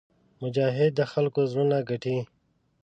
مجاهد د خلکو زړونه ګټي.